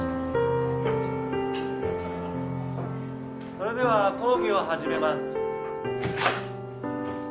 それでは講義を始めます